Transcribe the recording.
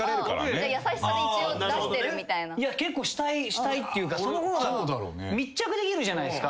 したいっていうかその方が密着できるじゃないですか。